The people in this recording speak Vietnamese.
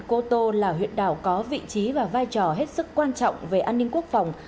cô tô là huyện đảo có vị trí và vai trò hết sức quan trọng về an ninh quốc phòng